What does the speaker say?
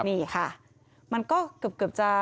สวัสดีคุณผู้ชายสวัสดีคุณผู้ชาย